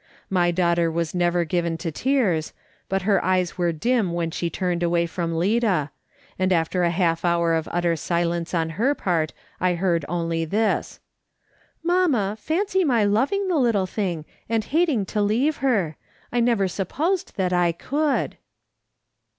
My daughter was never given to tears, but her eyes were dim when she turned away from Lida, and after a half hour of utter silence on her part I heard only this : "Mamma, fancy my loving the little thing, and hating to leave her! I never supposed that I could